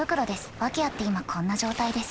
訳あって今こんな状態です。